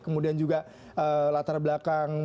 kemudian juga latar belakang